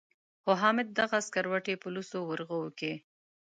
خو حامد دغه سکروټې په لوڅو ورغوو کې.